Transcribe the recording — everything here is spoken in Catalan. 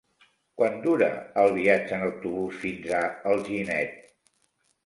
Quant dura el viatge en autobús fins a Alginet?